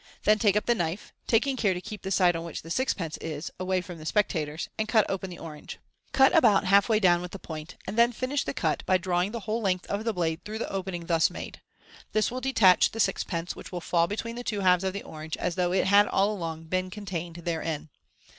Then take up the knife (taking care to Keep the side on which the sixpence is away from the spectators), and cut open the orange. Cut about half way down with the point, and then finish the cut by drawing the whole length of the blade through the opening thus made. This will detach the sixpence, which will fall between the two halves of the orange, as though it had all along been contained therein.